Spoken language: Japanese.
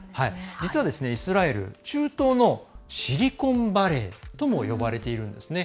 実は、イスラエル中東のシリコンバレーとも呼ばれているんですね。